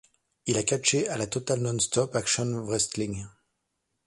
Il a catché à la Total Nonstop Action Wrestling.